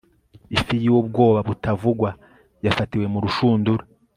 ifi yubwoba butavugwa yafatiwe mu rushundura